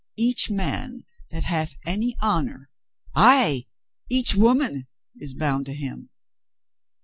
Each man that hath any honor, ay, each woman, is bound to him."